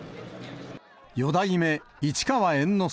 四代目市川猿之助